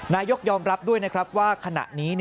นายกยอมรับด้วยว่าขณะนี้